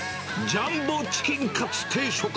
ジャンボチキンカツ定食。